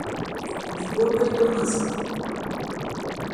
Nikuo par itū nazynu.